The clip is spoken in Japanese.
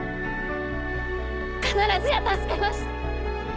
必ずや助けます！